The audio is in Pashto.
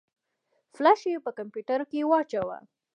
فلش يې په کمپيوټر کې واچوه.